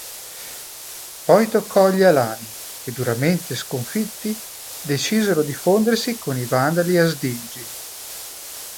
Poi toccò agli Alani, che duramente sconfitti, decisero di fondersi con i Vandali Asdingi.